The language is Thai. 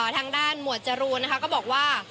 ทางด้านหมวดจรูนนะคะก็บอกว่า